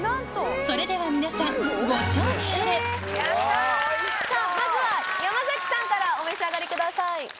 それでは皆さんご賞味あれ・やった・まずは山さんからお召し上がりください。